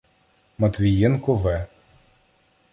Матвієнко В.